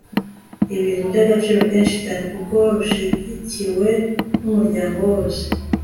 ibintu by agaciro kenshi cyane kuko rushyigikiwe n umuryango wose